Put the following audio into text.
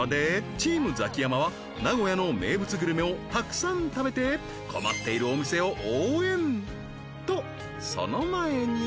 チームザキヤマは名古屋の名物グルメをたくさん食べて困っているお店を応援！